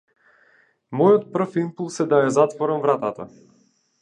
Мојот прв имплус е да му ја затворам вратата.